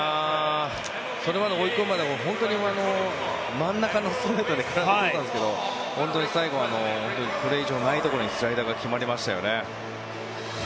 それまで追い込むまで本当に真ん中のストレートで固めていたんですけど本当に最後はこれ以上ないところにスライダーが決まりましたよね。